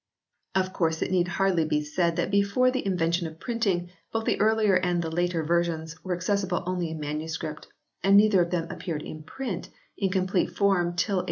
Of course it need hardly be said that before the invention of printing both the earlier and the later versions were accessible only in manuscript ; and neither of them appeared in print in complete form till 1850.